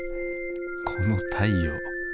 この太陽。